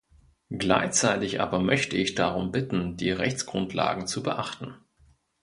Gleichzeitig aber möchte ich darum bitten, die Rechtsgrundlagen zu beachten.